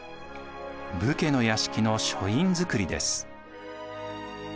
武家の屋敷の書院造です。